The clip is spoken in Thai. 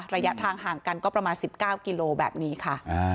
ระยะทางห่างกันก็ประมาณ๑๙กิโลแบบนี้ค่ะ